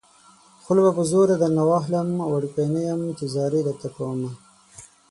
خوله به په زوره درنه واخلم وړوکی نه يم چې ځاري درته کومه